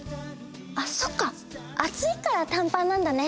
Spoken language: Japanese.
あそっかあついから短パンなんだね。